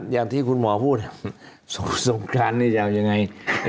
อย่างที่คุณหมอพูดสงกรานนี่จะเอายังไง